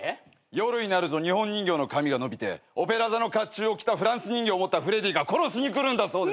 夜になると日本人形の髪が伸びてオペラ座の甲冑を着たフランス人形を持ったフレディが殺しに来るんだそうです。